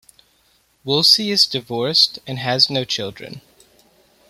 Woolsey is divorced and has no children.